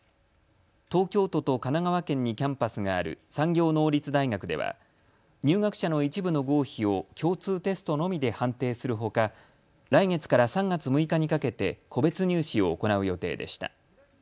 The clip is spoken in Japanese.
東京都と神奈川県にキャンパスがある産業能率大学では入学者の一部の合否を共通テストのみで判定するほか来月から３月６日にかけて個別入試を行う予定でした。